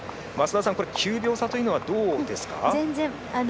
９秒差というのはどうですか？